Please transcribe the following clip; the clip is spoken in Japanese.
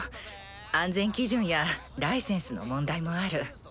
安全基準やライセンスの問題もある。